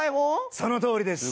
そのとおりです。